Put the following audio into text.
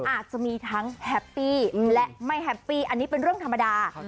อาจจะมีทั้งแฮปปี้และไม่แฮปปี้อันนี้เป็นเรื่องธรรมดา